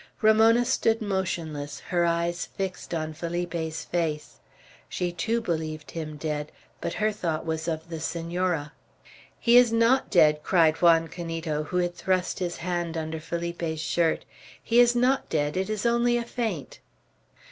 Ramona stood motionless, her eyes fixed on Felipe's face. She, too, believed him dead; but her thought was of the Senora. "He is not dead," cried Juan Canito, who had thrust his hand under Felipe's shirt. "He is not dead. It is only a faint."